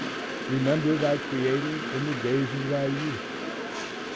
Remember thy Creator in the days of thy youth.